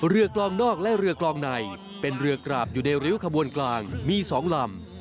กลองนอกและเรือกลองในเป็นเรือกราบอยู่ในริ้วขบวนกลางมี๒ลำ